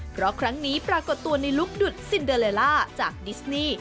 เพราะครั้งนี้ปรากฏตัวในลุคดุดซินเดอเลล่าจากดิสนี่